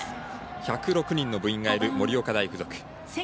１０６人の部員がいる盛岡大付属。